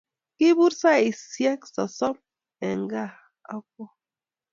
kipur saishe sasamen Kaa akowo